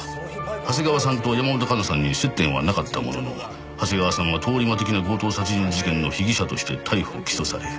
長谷川さんと山本香奈さんに接点はなかったものの長谷川さんは通り魔的な強盗殺人事件の被疑者として逮捕起訴され。